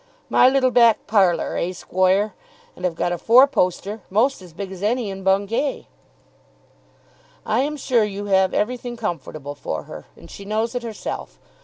"My little back parlour; eh, squoire! And I've got a four poster, most as big as any in Bungay." "I am sure you have everything comfortable for her, and she knows it herself.